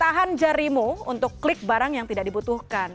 tahan jarimu untuk klik barang yang tidak dibutuhkan